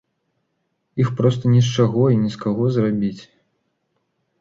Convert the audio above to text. Іх проста не з чаго і не з каго зрабіць.